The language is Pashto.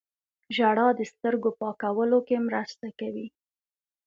ژړا د سترګو پاکولو کې مرسته کوي